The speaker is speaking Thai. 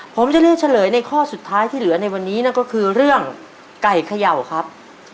ผมจะเลือกเฉลยในข้อสุดท้ายที่เหลือในวันนี้นั่นก็คือเรื่องไก่เขย่าครับ